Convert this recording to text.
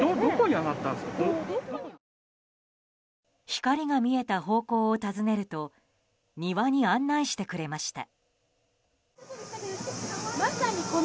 光が見えた方向を尋ねると庭に案内してくれました。